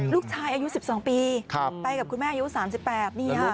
ลูกชายอายุ๑๒ปีไปกับคุณแม่อยู่๓๘ปีนี่ค่ะและลูก